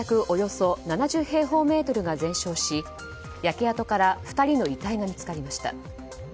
およそ７０平方メートルが全焼し焼け跡から２人の遺体が見つかりました。